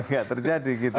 tidak terjadi gitu